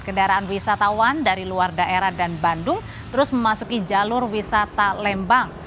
kendaraan wisatawan dari luar daerah dan bandung terus memasuki jalur wisata lembang